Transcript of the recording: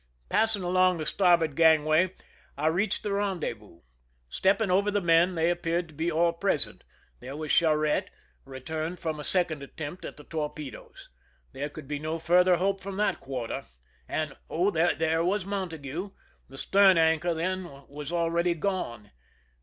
Passing along the starboard gangway, I reached the rendezvous. Stepping over the men, they appeared to be all present. There was Charette, returned from a second attempt at the torpedoes. There could be no further hope from that quarter, and, oh ! there was Montague ! The stern anchor, then, was already gone.